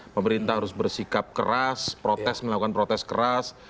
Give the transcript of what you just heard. pemerintah harus bersikap keras protes melakukan protes keras